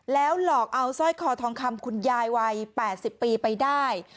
แล้วหลอกเอาสร้อยคอทองคำคุณยายวัย๘๐ปีไปได้